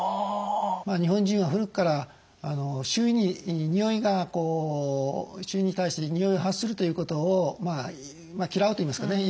日本人は古くから周囲に対してにおいを発するということを嫌うと言いますかね